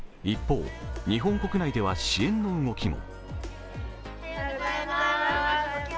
一方、日本国内では支援の動きも。